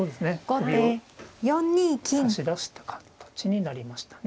首を差し出した形になりましたね。